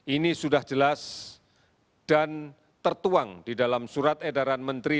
ini sudah jelas dan tertuang di dalam surat edaran menteri